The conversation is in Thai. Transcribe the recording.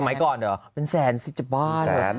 สมัยก่อนเหรอเป็นแสนสิจะบ้าเหรอ